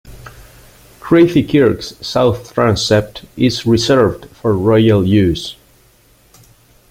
Crathie Kirk's south transept is reserved for royal use.